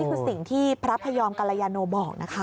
คือสิ่งที่พระพยอมกรยาโนบอกนะคะ